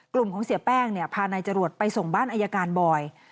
กลุ่มของเสียแป้งเนี่ยพานายจรวดไปส่งบ้านอายการบอย